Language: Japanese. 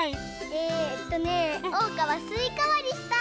えっとねおうかはすいかわりしたい！